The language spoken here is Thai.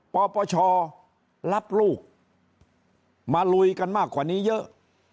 ปปชรับลูกมาลุยกันมากกว่านี้เยอะ